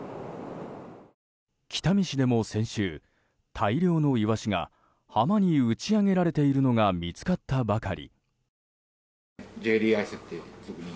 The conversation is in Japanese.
北見市でも先週、大量のイワシが浜に打ち揚げられているのが見つかったばかり。